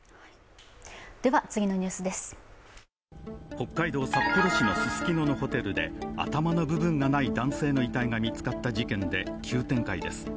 北海道札幌市のススキノのホテルで頭の部分がない男性の遺体が見つかった事件で急展開です。